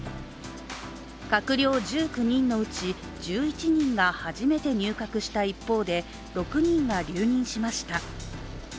閣僚１９人のうち１１人が初めて入閣した一方で６人が留任しました。